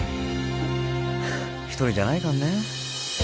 「１人じゃないからね」